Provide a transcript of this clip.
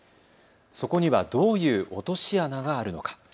そこにはどういう落とし穴があるのか。